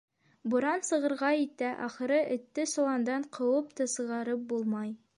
Буран сығырға итә, ахыры, этте соландан ҡыуып та сығарып булмай.